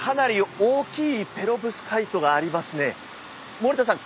森田さん